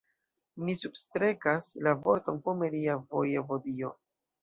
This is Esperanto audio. Mi substrekas la vorton "pomeria vojevodio".